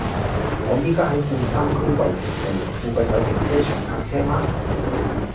我依家喺半山區衛城道，附近有停車場泊車嗎